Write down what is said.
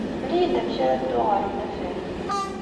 Mel-iyi-d amek ara dduɣ ɣer unafag.